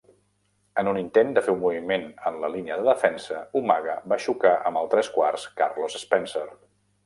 En un intent de fer un moviment en la línia de defensa, Umaga va xocar amb el tresquarts Carlos Spencer.